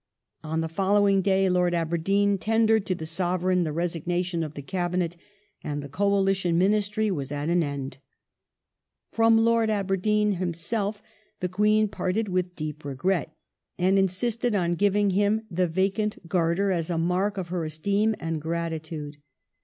On the following day Lord Aberdeen tendered to the Sovereign the resignation of the Cabinet, and the Coalition Ministry was at an end. From Lord Aberdeen himself the Queen parted with deep regret, and insisted on giving him the vacant Garter as a mark of her esteem and gratitude.